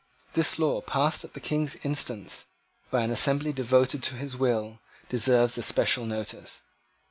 This law, passed at the King's instance by an assembly devoted to his will, deserves especial notice.